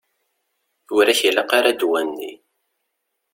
Ur ak-ilaq ara ddwa-nni.